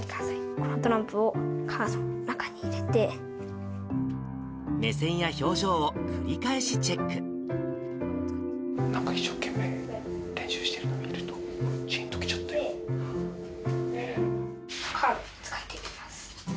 このトランプをカードの中に入れ目線や表情を繰り返しチェッなんか一生懸命練習してるのを見ると、カードを使っていきます。